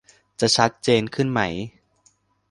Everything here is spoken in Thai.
จะชัดเจนขึ้นไหม ?